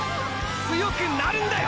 強くなるんだよ！！